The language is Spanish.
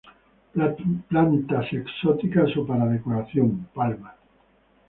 Plantas exóticas o para decoración: Palma.